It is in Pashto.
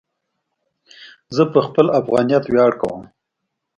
زه په خپل افغانیت ویاړ کوم.